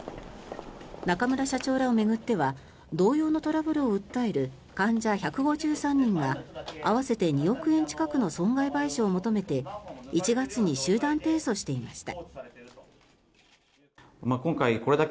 中村社長らを巡っては同様のトラブルを訴える患者１５３人が合わせて２億円近くの損害賠償を求めて１月に集団提訴していました。